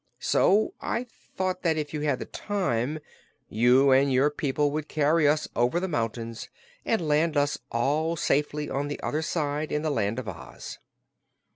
So I thought that if you had the time you and your people would carry us over the mountains and land us all safely on the other side, in the Land of Oz."